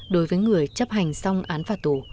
đối với người chấp hành xong án phạt tù